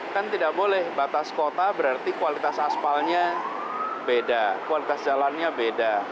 kan tidak boleh batas kota berarti kualitas aspalnya beda kualitas jalannya beda